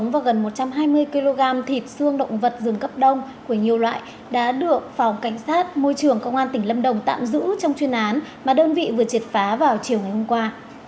hai mươi hai cá thể động vật rừng còn sống và gần một trăm hai mươi kg thịt xương động vật rừng cấp đông của nhiều loại đã được phòng cảnh sát môi trường công an tỉnh lâm đồng tạm giữ trong chuyên án mà đơn vị vừa triệt phá vào chiều ngày hôm qua